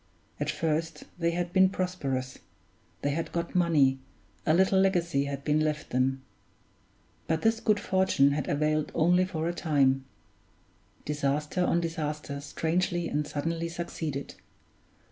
At first they had been prosperous, they had got money, a little legacy had been left them. But this good fortune had availed only for a time; disaster on disaster strangely and suddenly succeeded.